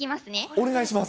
お願いします。